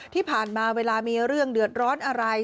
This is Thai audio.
ที่ผ่านมาเวลามีเรื่องเดือดร้อนอะไร